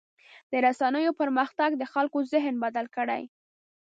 د رسنیو پرمختګ د خلکو ذهن بدل کړی.